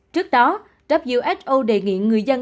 trước đó who đề nghị người dân